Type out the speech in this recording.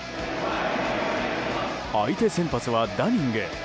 相手先発はダニング。